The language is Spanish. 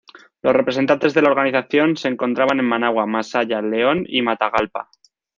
Los representantes de la organización se encontraban en Managua, Masaya, León y Matagalpa.